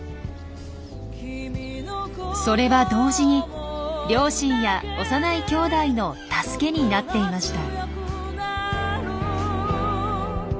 それは同時に両親や幼いきょうだいの助けになっていました。